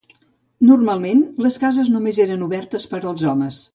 Normalment, les cases només eren obertes per als homes.